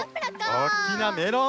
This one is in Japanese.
おっおっきなメロン！